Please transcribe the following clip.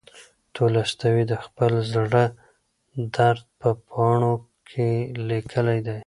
تولستوی د خپل زړه درد په پاڼو کې لیکلی دی.